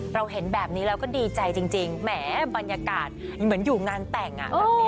เราเห็นแบบนี้เราก็ดีใจจริงแหมบรรยากาศเหมือนอยู่งานแต่งแบบนี้